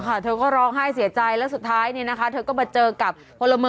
แล้วก็เสร็จข้าวดูดน้ำไม่กินแล้วก็เนี่ยมา